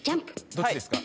どっちですか？